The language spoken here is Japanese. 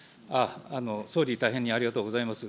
総理、大変にありがとうございます。